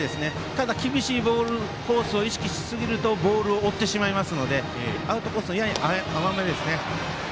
ただ、厳しいコースを意識しすぎるとボールを追ってしまいますのでアウトコースの、やや甘めですね。